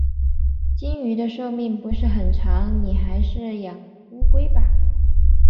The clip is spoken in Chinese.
金鱼的寿命不是很长，你还是养乌龟吧。